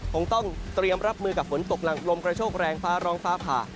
คงต้องเตรียมรับมือกับฝนตกหนักลมกระโชคแรงฟ้าร้องฟ้าผ่า